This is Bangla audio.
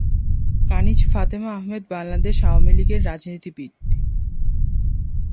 কানিজ ফাতেমা আহমেদ বাংলাদেশ আওয়ামী লীগের রাজনীতিবিদ।